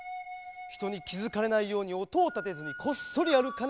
ひとにきづかれないようにおとをたてずにこっそりあるかねばならん。